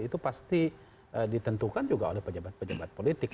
itu pasti ditentukan juga oleh pejabat pejabat politik